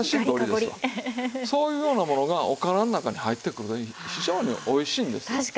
そういうようなものがおからの中に入ってくると非常においしいんですよ。